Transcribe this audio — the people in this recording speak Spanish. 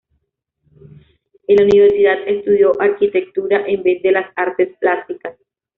En la universidad estudió arquitectura en vez de las artes plásticas.